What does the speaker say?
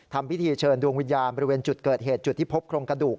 ทำพิธีเชิญดวงวิญญาณบริเวณจุดเกิดเหตุจุดที่พบโครงกระดูก